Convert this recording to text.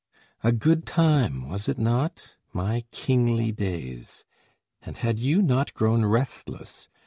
A good time, was it not, my kingly days, And had you not grown restless